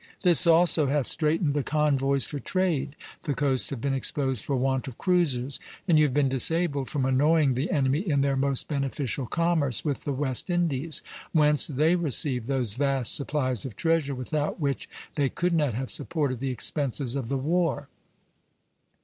This also hath straitened the convoys for trade; the coasts have been exposed for want of cruisers; and you have been disabled from annoying the enemy in their most beneficial commerce with the West Indies, whence they received those vast supplies of treasure, without which they could not have supported the expenses of the war."